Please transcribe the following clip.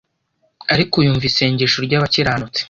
ariko yumva isengesho ry abakiranutsi